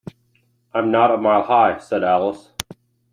‘I’m not a mile high,’ said Alice.